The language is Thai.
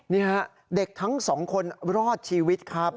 นี่ฮะเด็กทั้งสองคนรอดชีวิตครับ